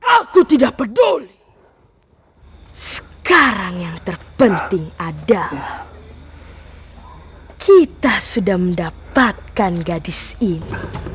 aku tidak peduli sekarang yang terpenting adalah kita sudah mendapatkan gadis ini